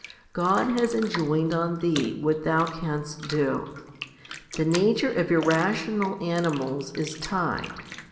God has enjoined on thee what thou canst do. The nature of irrational animals is tied.